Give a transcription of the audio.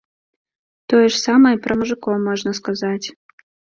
Тое ж самае і пра мужыкоў можна сказаць.